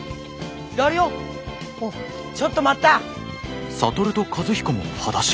ちょっと待った！